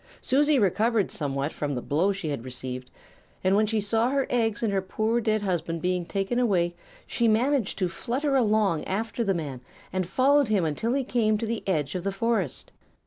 Susie recovered somewhat from the blow she had received, and when she saw her eggs and her poor dead husband being taken away, she managed to flutter along after the man and followed him until he came to the edge of the forest.